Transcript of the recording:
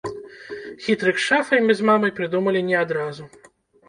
Хітрык з шафай мы з мамай прыдумалі не адразу.